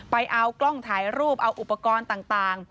ไปเอากล้องถ่ายรูปเอาอุปกรณ์ต่าง